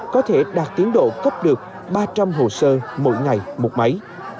có thể đạt tiến độ cấp được ba trăm linh hồ sơ mỗi ngày một máy